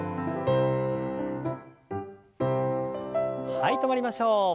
はい止まりましょう。